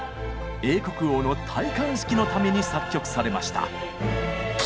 英国王の戴冠式のために作曲されました。